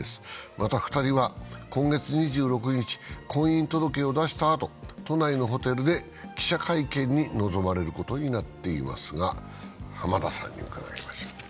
また、２人は今月２６日、婚姻届を出したあと都内のホテルで記者会見に臨まれることになっていますが、浜田さんに伺いましょう。